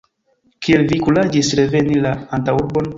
Kiel vi kuraĝis reveni la antaŭurbon?